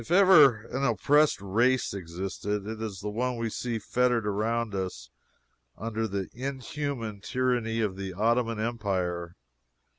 If ever an oppressed race existed, it is this one we see fettered around us under the inhuman tyranny of the Ottoman Empire.